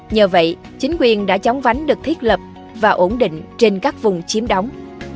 nhờ vậy chính quyền đã chóng vánh được thiết lập và ổn định trên các vùng chiếm đóng